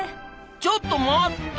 ちょっと待った！